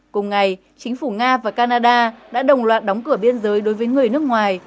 cùng ngày chính phủ nga và canada đã đồng loạt đóng cửa biên giới đối với người nước ngoài